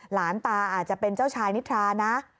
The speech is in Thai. หลานตาอาจจะเป็นเจ้าชายนิทรานะ